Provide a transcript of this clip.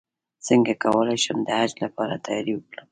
څنګه کولی شم د حج لپاره تیاری وکړم